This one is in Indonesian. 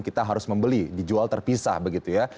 kita harus membeli dijual terpisah begitu ya